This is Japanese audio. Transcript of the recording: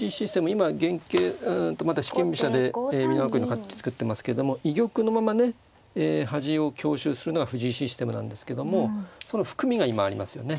今原型また四間飛車で美濃囲いの形作ってますけども居玉のままね端を強襲するのが藤井システムなんですけどもその含みが今ありますよね。